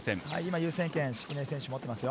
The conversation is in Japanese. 優先権、敷根選手持ってますよ。